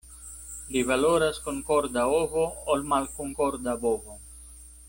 Pli valoras konkorda ovo, ol malkonkorda bovo.